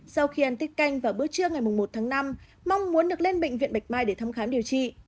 sau khi ăn tích canh vào bữa trưa ngày một tháng năm mong muốn được lên bệnh viện bạch mai để thăm khám điều trị